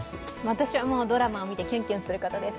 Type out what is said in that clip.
私はドラマを見てキュンキュンすることです。